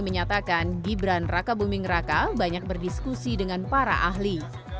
menyatakan gibran raka buming raka banyak berdiskusi dengan para ahli